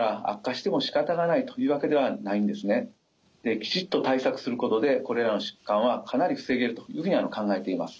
きちっと対策することでこれらの疾患はかなり防げるというふうに考えています。